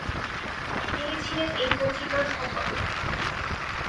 তিনি ছিলেন এই পত্রিকার সম্পাদক ।